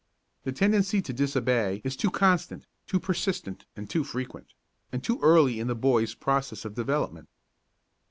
The tendency to disobey is too constant, too persistent and too frequent, and too early in the boy's process of development.